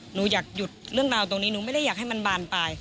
หนูอยากหยุดเรื่องราวตรงนี้หนูไม่ได้อยากให้มันบานปลาย